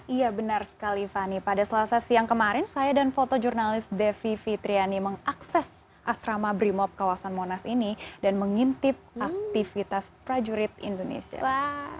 iya benar sekali fani pada selasa siang kemarin saya dan fotojurnalis devi fitriani mengakses asrama brimop kawasan monas ini dan mengintip aktivitas prajurit indonesia